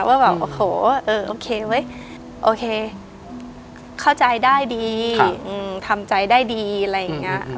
แล้วก็แบบโอ้โหเออโอเคเว้ยโอเคเข้าใจได้ดีค่ะอืมทำใจได้ดีอะไรอย่างเงี้ยอืมอืมอืม